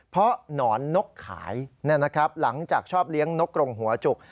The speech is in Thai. เพราะหนอนนกขายนะครับหลังจากชอบเลี้ยงนกรงหัวจุก